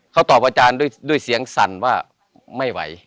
เขาตอบอาจารย์ด้วยเสียงสั่นว่าไม่ไหว